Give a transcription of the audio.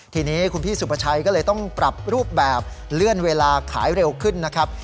ทีนี้คุณพี่สุภาชัยก็เลยต้องปรับรูปแบบเลื่อนเวลาขายเร็วขึ้นนะครับ